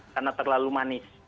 karena terlalu manis